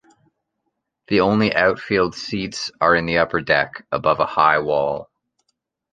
The only outfield seats are in the upper deck, above a high wall.